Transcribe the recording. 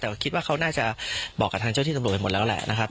แต่คิดว่าเขาน่าจะบอกกับทางเจ้าที่ตำรวจไปหมดแล้วแหละนะครับ